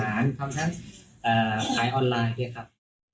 ทำทั้งขายออนไลน์ครับ